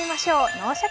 「脳シャキ！